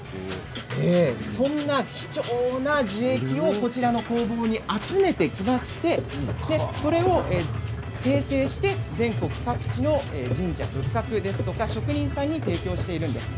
そんな貴重な樹液をこちらの工房に集めてきましてそれを精製して全国各地の神社仏閣ですとか職人さんに提供しているんです。